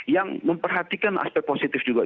yang memperhatikan aspek positif juga